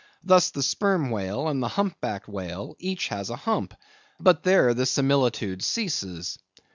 Thus, the sperm whale and the humpbacked whale, each has a hump; but there the similitude ceases.